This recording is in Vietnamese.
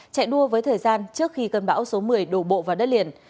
chạy đua với thời gian trước khi cơn bão số một mươi đổ bộ vào đất liền